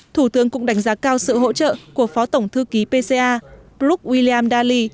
thủ tướng cũng đánh giá cao sự hỗ trợ của phó tổng thư ký pca brooke william daly